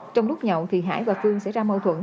trong lúc nhậu thì hải và phương xảy ra mâu thuẫn